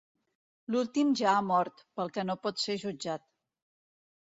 L'últim ja ha mort, pel que no pot ser jutjat.